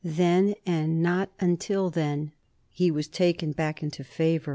Then, and not until then, he was taken back into favor.